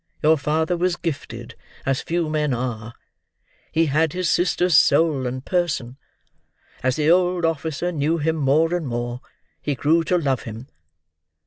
Your father was gifted as few men are. He had his sister's soul and person. As the old officer knew him more and more, he grew to love him.